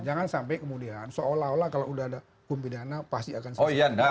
jangan sampai kemudian seolah olah kalau udah ada hukum pidana pasti akan sesuai juga kan